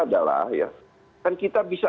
adalah kan kita bisa